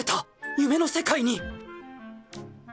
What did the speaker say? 夢の世界にっ